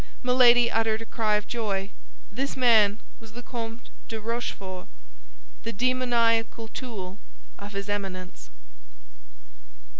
Milady uttered a cry of joy; this man was the Comte de Rochefort—the demoniacal tool of his Eminence.